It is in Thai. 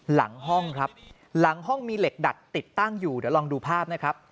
หลังห้องครับหลังห้องมีเหล็กดัดติดตั้งอยู่เดี๋ยวลองดูภาพนะครับ